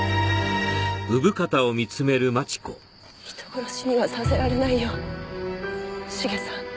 人殺しにはさせられないよシゲさん。